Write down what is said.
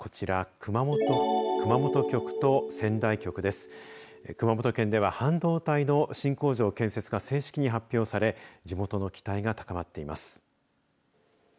熊本県では、半導体の新工場建設が正式に発表され地元の期待が高まっています。